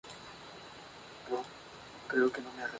El culto de Tutela, y de los genios, fue muy frecuente en Hispania.